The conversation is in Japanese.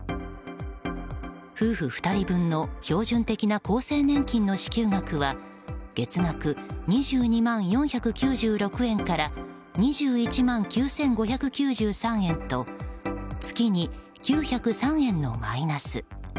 夫婦２人分の標準的な厚生年金の支給額は月額２２万４９６円から２１万９５９３円と月に９０３円のマイナス。